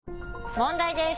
問題です！